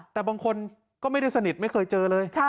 แต่บางคนก็ไม่ได้สนิทไม่เคยเจอเลย